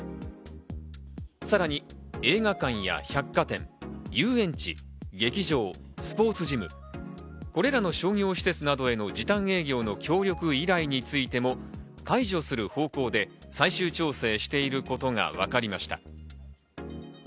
さらに映画館や百貨店、遊園地、劇場、スポーツジム、これらの商業施設への時短営業の協力依頼についても解除する方向で最終調整していることがわかりました。